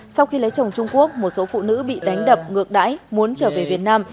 sau khi lấy chồng trung quốc một số phụ nữ bị đánh đập ngược đáy muốn trở về việt nam